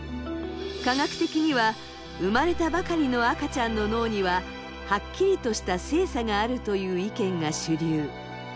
科学的には生まれたばかりの赤ちゃんの脳にははっきりとした性差があるという意見が主流。